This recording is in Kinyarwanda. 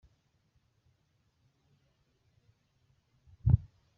Sinari nakabonye ibintu nk’ibi kuva nabaho.